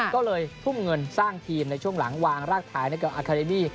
ก็เลยทุ่มเงินสร้างทีมในช่วงหลังวางรากฐานให้กับอาคาเดมี่